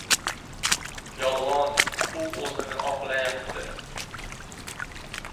— Yolg‘on! U o‘zini oqlayapti!